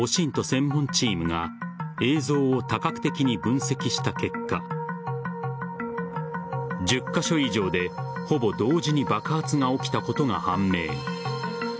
専門チームが映像を多角的に分析した結果１０カ所以上でほぼ同時に爆発が起きたことが判明。